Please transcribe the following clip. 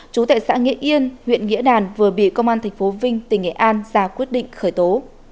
chú tại xã nghĩa yên huyện nghĩa đàn vừa bị công an tp vinh tỉnh nghệ an ra quyết định khởi tố